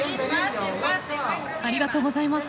ありがとうございます。